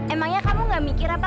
emangnya kamu gak mikir apa